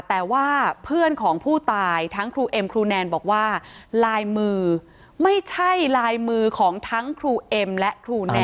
แต่ว่าเพื่อนของผู้ตายทั้งครูเอ็มครูแนนบอกว่าลายมือไม่ใช่ลายมือของทั้งครูเอ็มและครูแนน